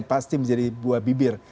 pasti menjadi buah bibir